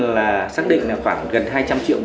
là xác định là khoảng gần hai trăm linh triệu